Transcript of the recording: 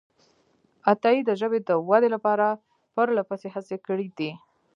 عطایي د ژبې د ودې لپاره پرلهپسې هڅې کړې دي.